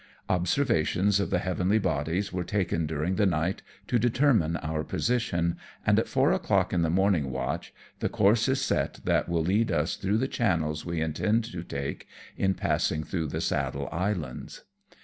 71 Observations of the heavenly bodies are taken during the nightj to determine our position, and at four o'clock in the morning watch, the course is set that will lead us through the channels we intend to take in passing through the Saddle Islands.